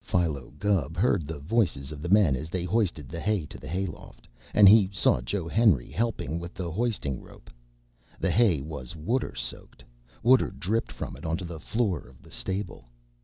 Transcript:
Philo Gubb heard the voices of the men as they hoisted the hay to the hay loft, and he saw Joe Henry helping with the hoisting rope. The hay was water soaked. Water dripped from it onto the floor of the stable.